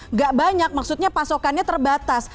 nggak banyak maksudnya pasokannya terbatas